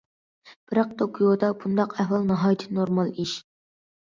بىراق توكيودا بۇنداق ئەھۋال ناھايىتى نورمال ئىش.